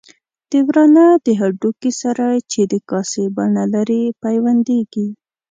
د ورانه د هډوکي سره چې د کاسې بڼه لري پیوندېږي.